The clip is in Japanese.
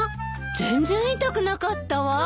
全然痛くなかったわ。